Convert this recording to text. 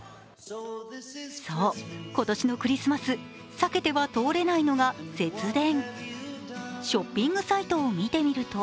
そう、今年のクリスマス避けては通れないのが節電。